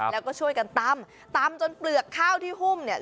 แล้วก็ช่วยกันตำตำจนเปลือกข้าวที่หุ้มเนี่ย